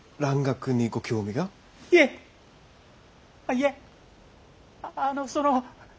いえあのその。